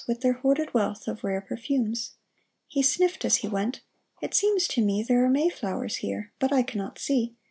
With their hoarded wealth of rare perfumes. He sniffed as he went. " It seems to me There are May flowers here, but I cannot see.